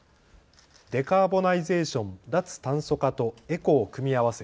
デカーボナイゼーション・脱炭素化とエコを組み合わせ